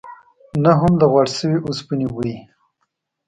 نه هم د غوړ شوي اوسپنې بوی.